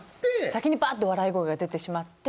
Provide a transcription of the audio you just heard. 先にバッて笑い声が出てしまって。